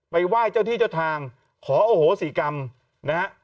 ไหว้เจ้าที่เจ้าทางขอโอโหสิกรรมนะฮะ